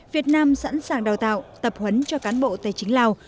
việt nam sẵn sàng đào tạo tập huấn cho cán bộ tài chính lào